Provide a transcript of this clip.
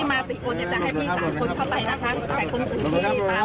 แต่คุณสิ่งที่ตามมาคือลุงจับที่หน้า